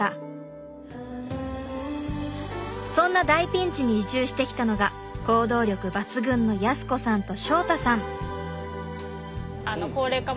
そんな大ピンチに移住してきたのが行動力抜群の靖子さんと祥太さん。